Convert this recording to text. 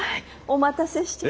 お待たせして。